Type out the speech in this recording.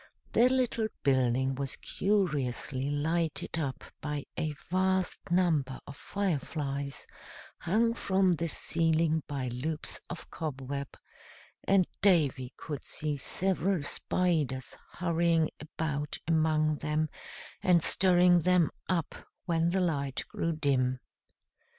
The little building was curiously lighted up by a vast number of fire flies, hung from the ceiling by loops of cobweb; and Davy could see several spiders hurrying about among them and stirring them up when the light grew dim.